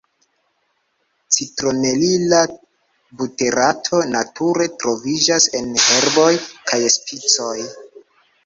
Citronelila buterato nature troviĝas en herboj kaj spicoj.